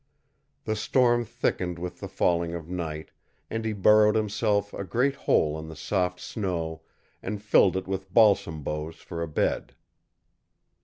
The storm thickened with the falling of night, and he burrowed himself a great hole in the soft snow and filled it with balsam boughs for a bed.